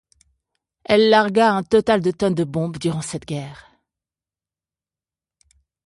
Elle largua un total de tonnes de bombes durant cette guerre.